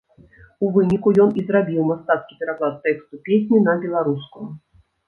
У выніку, ён і зрабіў мастацкі пераклад тэксту песні на беларускую.